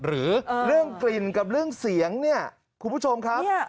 หรือเรื่องกลิ่นกับเรื่องเสียงเนี่ยคุณผู้ชมครับ